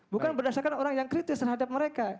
bukan berdasarkan orang yang kritis terhadap mereka